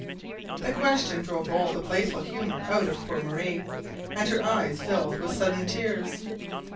The question drove all the playful humour out of poor Marie, and her eyes filled with sudden tears.